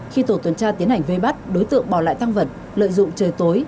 khi tổ tuần tra tiến hành vây bắt đối tượng bỏ lại tăng vật lợi dụng trời tối